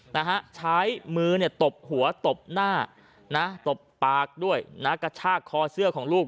นะฮะใช้มือเนี่ยตบหัวตบหน้านะตบปากด้วยนะกระชากคอเสื้อของลูก